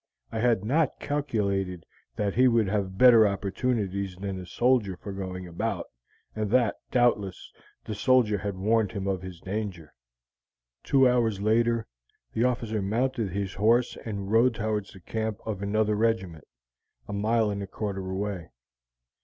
I had not calculated that he would have better opportunities than the soldier for going about, and that, doubtless, the soldier had warned him of his danger. Two hours later the officer mounted his horse and rode towards the camp of another regiment, a mile and a quarter away.